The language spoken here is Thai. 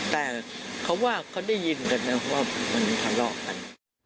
แต่เขาว่าเขาได้ยินกันนะว่ามันทะเลาะกัน